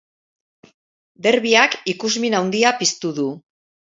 Derbiak ikusmin handia piztu du.